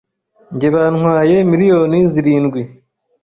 Njye byantwaye miliyoni zirindwi